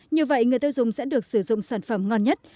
như vậy người tiêu dùng sẽ được sử dụng sản phẩm ngon nhất